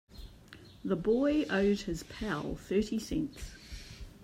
The boy owed his pal thirty cents.